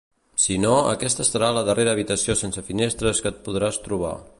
Si no, aquesta serà la darrera habitació sense finestres que et podràs trobar.